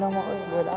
lo bisa tunggu tunggu